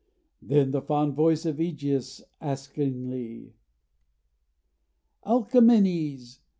Then the fond voice of Ægeus, askingly: 'Alcamenes!